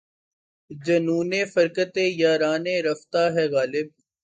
جنونِ فرقتِ یارانِ رفتہ ہے غالب!